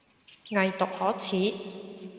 偽毒可恥